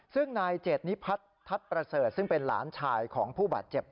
ซึ่งนายเจดนิพัฒน์ทัศน์ประเสริฐซึ่งเป็นหลานชายของผู้บาดเจ็บ